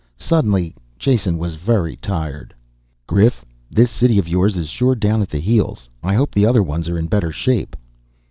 Suddenly Jason was very tired. "Grif, this city of yours is sure down at the heels. I hope the other ones are in better shape."